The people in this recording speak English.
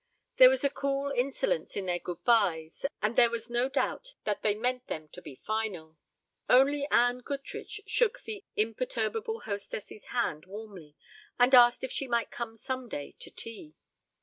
There was a cool insolence in their "good byes" and there was no doubt that they meant them to be final. Only Anne Goodrich shook the imperturbable hostess's hand warmly and asked if she might come some day to tea.